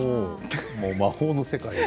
魔法の世界。